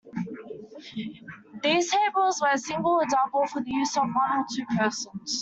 These tables were single or double, for the use of one or two persons.